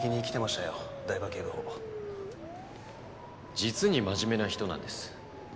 実に真面目な人なんです。